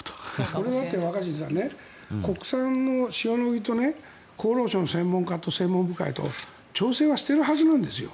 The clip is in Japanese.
これは若新さん国産の塩野義と厚労省の専門家と専門部会と調整はしてるはずなんですよ。